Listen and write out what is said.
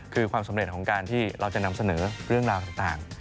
คือความสำเร็จของการที่เราจะนำเสนอเรื่องราวต่าง